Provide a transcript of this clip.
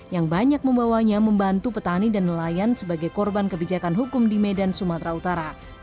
yang banyak membawanya membantu petani dan nelayan sebagai korban kebijakan hukum di medan sumatera utara